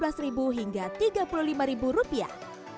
kedai ini juga menawarkan buah potong segar untuk dinikmati bersama minuman